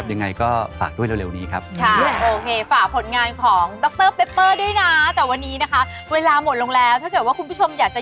ด๊อคตัอร์เปเปอร์ด้วยนะแต่วันนี้นะคะเวลาหมดลงแล้วถ้าเกิดว่าคุณผู้ชมอยากจะ